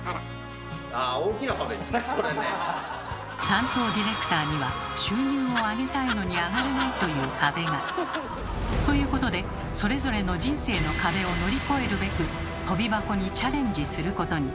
担当ディレクターには収入を上げたいのに上がらないという壁が。ということでそれぞれの人生の壁を乗り越えるべくとび箱にチャレンジすることに。